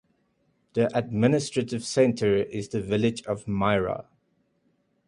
The administrative center is the village of Myra.